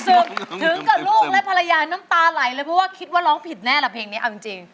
ถึงกับลูกและภรรยาน้ำตาไหลเลยเพราะว่าคิดว่าร้องผิดแน่ล่ะเพลงนี้เอาจริง